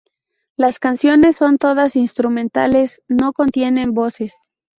Las canciones son todas instrumentales no contienen voces.